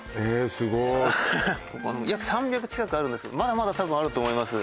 すごい約３００近くあるんですけどまだまだたぶんあると思います